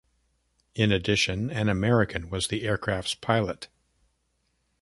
In addition, an American was the aircraft's pilot.